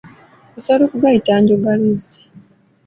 Osobola okugayita njogaluzzi.